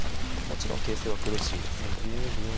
もちろん形勢は苦しいですけども。